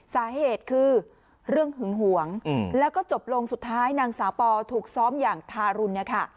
สาเหตุคือเรื่องหึงหวงแล้วก็จบลงสุดท้ายนางสาวปอถูกซ้อมอย่างทารุณเนี่ยค่ะ